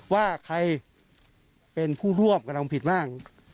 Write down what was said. ว่าใครเป็นผู้ร่วมกระทำผิดบ้าง